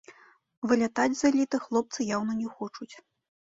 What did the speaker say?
Вылятаць з эліты хлопцы яўна не хочуць.